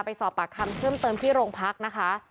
ไปสอบปากคำเพิ่มเติมที่โรงพักนะคะ